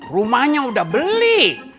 rumahnya udah beli